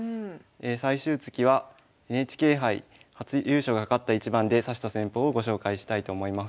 最終月はＮＨＫ杯初優勝がかかった一番で指した戦法をご紹介したいと思います。